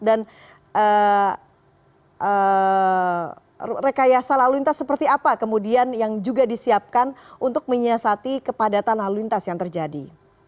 dan rekayasa lalu lintas seperti apa kemudian yang juga disiapkan untuk menyiasati kepadatan lalu lintas yang terjadi